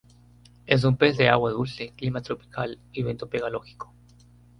Es un pez de agua dulce clima tropical y bentopelágico.